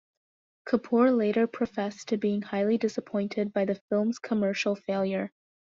Kapoor later professed to being highly disappointed by the film's commercial failure.